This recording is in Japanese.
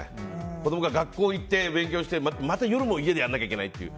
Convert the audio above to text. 子供が学校に行って勉強してまた夜も家でやらなきゃいけないという。